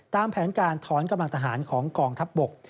ตามแผนการถอนกำลังทหารของกองทัพบก